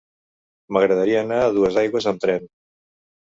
M'agradaria anar a Duesaigües amb tren.